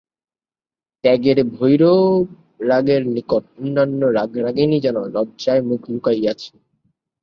ত্যাগের ভৈরবরাগের নিকট অন্যান্য রাগরাগিণী যেন লজ্জায় মুখ লুকাইয়াছে।